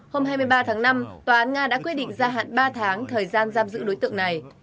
hôm hai mươi ba tháng năm tòa án nga đã quyết định gia hạn ba tháng thời gian giam giữ đối tượng này